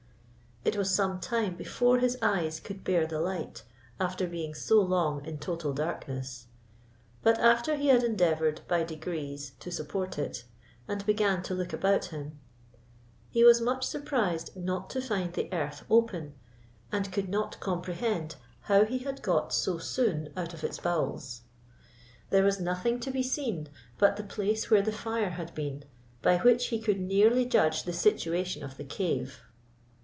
It was some time before his eyes could bear the light, after being so long in total darkness: but after he had endeavoured by degrees to support it, and began to look about him, he was much surprised not to find the earth open, and could not comprehend how he had got so soon out of its bowels. There was nothing to be seen but the place where the fire had been, by which he could nearly judge the situation of the cave.